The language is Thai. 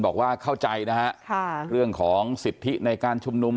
บอกว่าเข้าใจนะฮะเรื่องของสิทธิในการชุมนุม